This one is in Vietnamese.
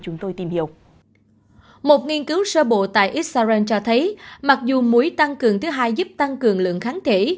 một nghiên cứu sơ bộ tại israel cho thấy mặc dù mũi tăng cường thứ hai giúp tăng cường lượng kháng thể